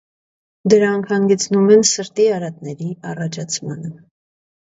Դրանք հանգեցնում են սրտի արատների առաջացման։